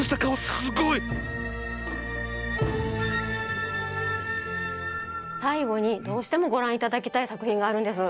さいごにどうしてもごらんいただきたいさくひんがあるんです。